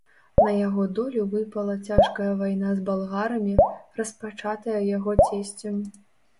На яго долю выпала цяжкая вайна з балгарамі, распачатая яго цесцем.